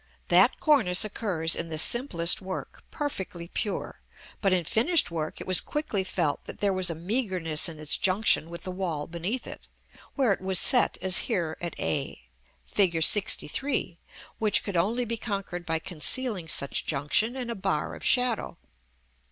That cornice occurs, in the simplest work, perfectly pure, but in finished work it was quickly felt that there was a meagreness in its junction with the wall beneath it, where it was set as here at a, Fig. LXIII., which could only be conquered by concealing such junction in a bar of shadow.